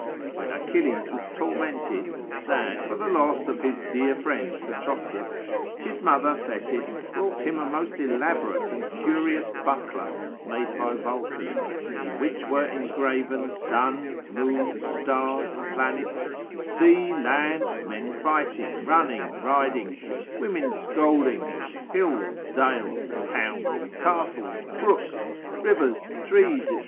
When Achilles was tormented and sad for the loss of his dear friend Patroclus, his mother Thetis brought him a most elaborate and curious buckler made by Vulcan, in which were engraven sun, moon, stars, planets, sea, land, men fighting, running, riding, women scolding, hills, dales, towns, castles, brooks, rivers, trees, &c.